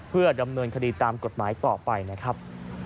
เพื่อดำเนินคดีตามกฎหมายต่อไปนะครับ